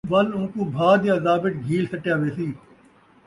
وَل اُوکوں بھا دے عذاب وِچ گِھیل سَٹیا ویسی!